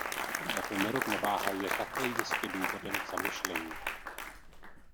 Tato nerovnováha je také jistě důvodem k zamyšlení.